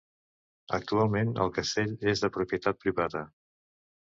Actualment el castell és de propietat privada.